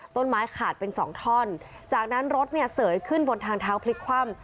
ต้นไม้ขาดเป็นสองท่อนจากนั้นรถเนี่ยเสยขึ้นบนทางเท้าพลิกคว่ำ